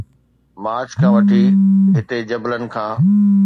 march کان وٺي هتي جبلن کان